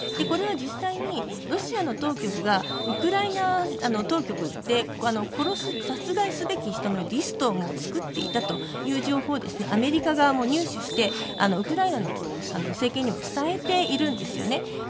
これは実際にロシアの当局がウクライナ当局で殺害すべき人のリストをもう作っていたという情報をアメリカ側も入手してウクライナの政権にも伝えているんですね。